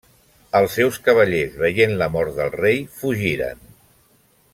Els seus cavallers, veient la mort del rei, fugiren.